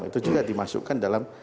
itu juga dimasukkan dalam